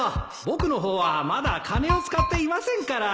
僕の方はまだ金を使っていませんから